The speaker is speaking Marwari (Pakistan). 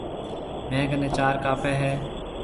ميه ڪنَي چار ڪاپي هيَ۔